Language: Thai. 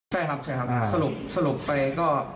ใช่ครับสลบไปก็